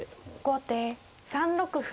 後手３六歩。